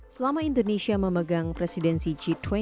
selama indonesia memegang presidensi g dua puluh